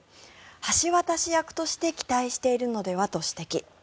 橋渡し役として期待しているのではと指摘。